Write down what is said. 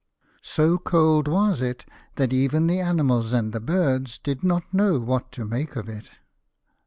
So cold was it that even the animals and the birds did not know what to make of it.